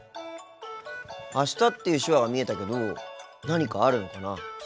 「あした」っていう手話が見えたけど何かあるのかな？